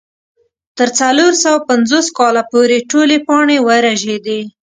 تر څلور سوه پنځوس کاله پورې ټولې پاڼې ورژېدې.